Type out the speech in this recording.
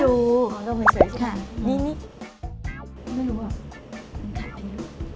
ลองลงเหมือนเสร็จใช่มั้ยนี่ไม่รู้อ่ะมันขัดทีลูก